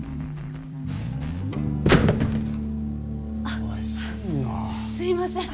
あすいません。